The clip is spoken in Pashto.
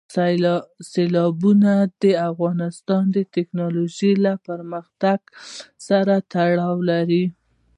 سیلابونه د افغانستان د تکنالوژۍ له پرمختګ سره تړاو لري.